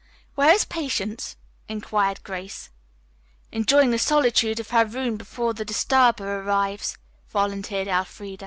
"Where is Patience?" inquired Grace. "Enjoying the solitude of her room before the disturber arrives," volunteered Elfreda.